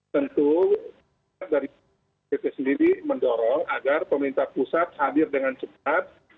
tentu dari pt sendiri mendorong agar pemerintah pusat hadir dengan cepat